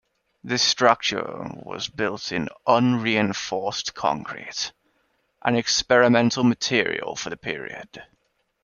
This structure was built in unreinforced concrete, an experimental material for the period.